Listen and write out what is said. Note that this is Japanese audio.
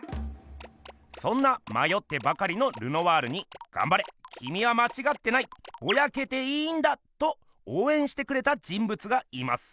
そんなまよってばかりのルノワールに「がんばれきみはまちがってないボヤけていいんだ」とおうえんしてくれた人物がいます。